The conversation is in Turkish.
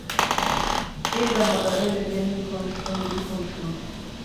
Bir daha da öyle demin konuştuğun gibi konuşma…